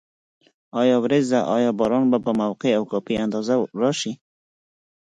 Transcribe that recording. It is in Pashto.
آیا وریځ ده؟ آیا باران به په موقع او کافي اندازه راشي؟